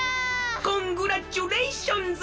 コングラッチュレーションズじゃあ！